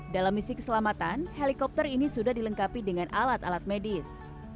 dalam misi keselamatan helikopter ini sudah dilengkapi dengan alat alat medis